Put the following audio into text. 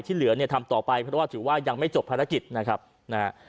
เหลือเนี่ยทำต่อไปเพราะว่าถือว่ายังไม่จบภารกิจนะครับนะฮะ